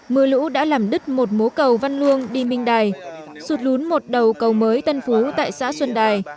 mưa lũ đã làm đứt một mố cầu văn luông đi minh đài sụt lún một đầu cầu mới tân phú tại xã xuân đài